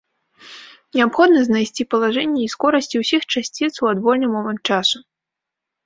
Неабходна знайсці палажэнні і скорасці ўсіх часціц у адвольны момант часу.